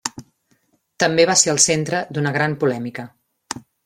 També va ser el centre d'una gran polèmica.